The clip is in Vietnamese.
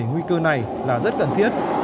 nguy cơ này là rất cần thiết